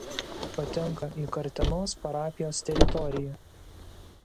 Patenka į Kartenos parapijos teritoriją.